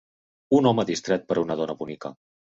Un home distret per una dona bonica.